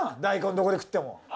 どこで食っても。